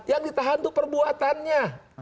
yang ditahan itu perbuatannya